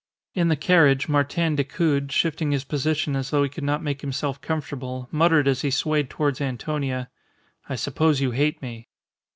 In the carriage Martin Decoud, shifting his position as though he could not make himself comfortable, muttered as he swayed towards Antonia, "I suppose you hate me."